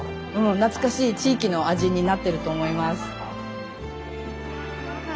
懐かしい地域の味になってると思います。